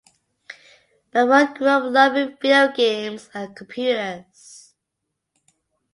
Barone grew up loving video games and computers.